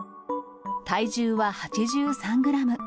体重は８３グラム。